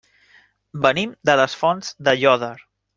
Venim de les Fonts d'Aiòder.